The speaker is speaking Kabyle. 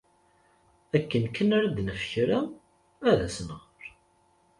Akken kan ara d-naf kra, ad as-nɣer.